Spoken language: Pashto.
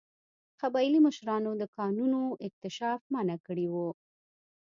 قبایلي مشرانو د کانونو اکتشاف منع کړی و.